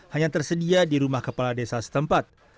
hanya tersedia di rumah kepala desa setempat